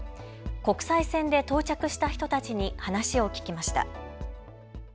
国際線で到着した人たちに話を聞きました。